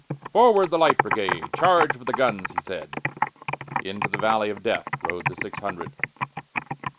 "Forward, the Light Brigade! Charge for the guns!" he said:Into the valley of DeathRode the six hundred.